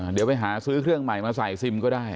เดี๋ยวไปหาซื้อเครื่องใหม่มาใส่ซิมก็ได้